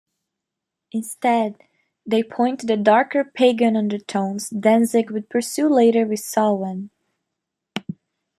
Instead, they point to the darker pagan undertones Danzig would pursue later with Samhain.